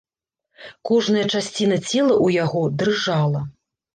Кожная часціна цела ў яго дрыжала.